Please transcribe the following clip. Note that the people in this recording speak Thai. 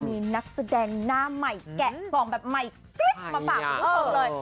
มีนักแสดงหน้าใหม่แกะกล่องแบบใหม่กริ๊บมาฝากคุณผู้ชมเลย